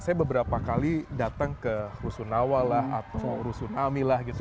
saya beberapa kali datang ke rusunawa lah atau rusun ami lah gitu